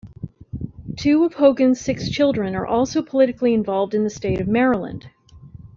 Two of Hogan's six children are also politically involved in the state of Maryland.